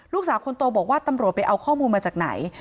ลูกสาวคนโตบอกว่าตำรวจไปเอาข้อมูลมาจากไหน